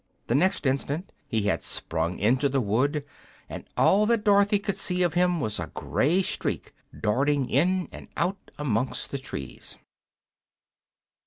The next instant he had sprung into the wood, and all that Dorothy could see of him was a gray streak darting in and out amongst the trees.